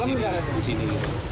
gambar gambar di sini